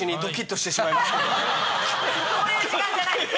そういう時間じゃないです